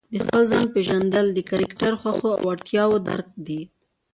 د خپل ځان پېژندل د کرکټر، خوښو او وړتیاوو درک دی.